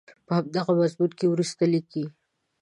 په همدغه مضمون کې وروسته لیکي.